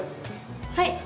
はい！